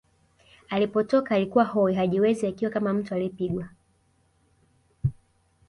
Alipotoka alikuwa hoi hajiwezi akiwa kama mtu aliyepigwa